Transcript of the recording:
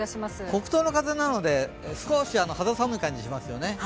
北東の風なので少し肌寒い感じしますよね。